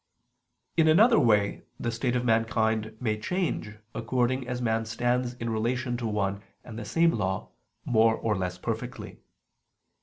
In another way the state of mankind may change according as man stands in relation to one and the same law more or less perfectly.